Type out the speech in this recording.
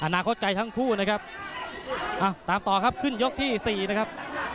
อนาคตใจทั้งคู่นะครับตามต่อครับขึ้นยกที่สี่นะครับ